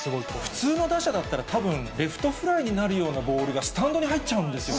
普通の打者だったらたぶんレフトフライになるようなボールが、スタンドに入っちゃうんですよね。